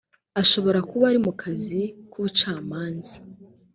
ashobora kuba arimo mu kazi k ubucamanza